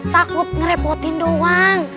takut ngerepotin doang